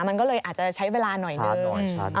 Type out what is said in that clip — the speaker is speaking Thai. มันก็เลยอาจจะใช้เวลาหน่อยหนึ่ง